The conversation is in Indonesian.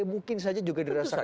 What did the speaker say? mungkin saja juga dirasakan